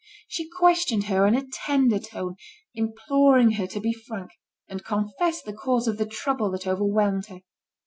She questioned her in a tender tone, imploring her to be frank, and confess the cause of the trouble that overwhelmed her.